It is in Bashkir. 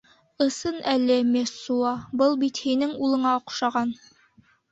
Ысын әле, Мессуа, был бит һинең улыңа оҡшаған.